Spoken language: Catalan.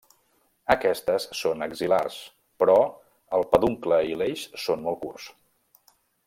Aquestes són axil·lars però el peduncle i l'eix són molt curts.